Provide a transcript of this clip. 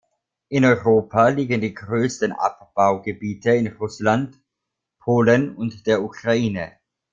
In Europa liegen die größten Abbaugebiete in Russland, Polen und der Ukraine.